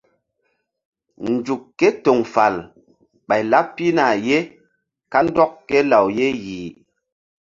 Nzuk ké toŋ fal ɓay laɓ pihna ye kandɔk ké law ye yih.